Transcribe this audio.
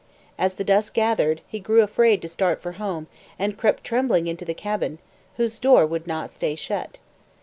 As the dusk gathered, he grew afraid to start for home and crept trembling into the cabin, whose door would not stay shut.